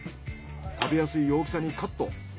食べやすい大きさにカット。